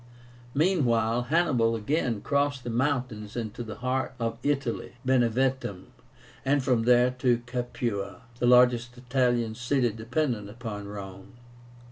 Meanwhile Hannibal again crossed the mountains into the heart of Italy to Beneventum, and from there to Capua, the largest Italian city dependent upon Rome.